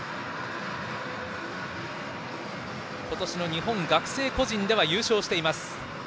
今年の日本学生個人では優勝しています。